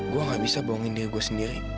gue gak bisa bohongin dia gue sendiri